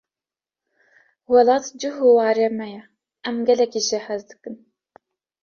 Welat cih û ware me ye, em gelekî jê hez dikin.